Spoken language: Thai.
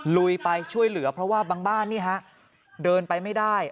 ลุยไปช่วยเหลือเพราะว่าบางบ้านนี่ฮะเดินไปไม่ได้